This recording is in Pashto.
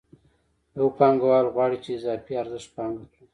یو پانګوال غواړي چې اضافي ارزښت پانګه کړي